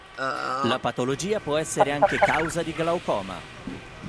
La patologia può essere anche causa di glaucoma.